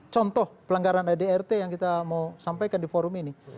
contoh pelanggaran adrt yang kita mau sampaikan di forum ini